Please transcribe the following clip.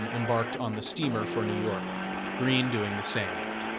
embarked on the steamer for New York, Green doing the same.